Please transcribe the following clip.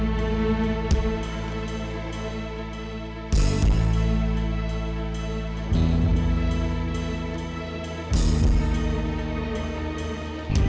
dan ini